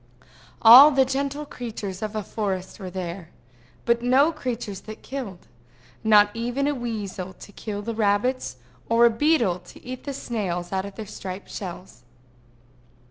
All the gentle creatures of a forest were there, but no creatures that killed, not even a weasel to kill the rabbits, or a beetle to eat the snails out of their striped shells.